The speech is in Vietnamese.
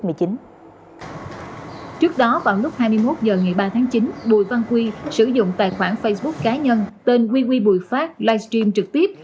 trước đó vào lúc hai mươi một h ngày ba tháng chín bùi văn quý sử dụng tài khoản facebook cá nhân tên wewe bùi phát live stream trực tiếp